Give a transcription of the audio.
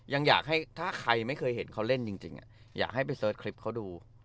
ยังอยากให้ถ้าใครไม่เคยเห็นเขาเล่นจริงอยากให้ไปเสิร์ชคลิปเขาดู